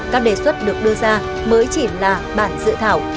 các đề xuất được đưa ra mới chỉ là bản dự thảo